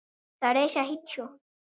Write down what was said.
سړى شهيد شو.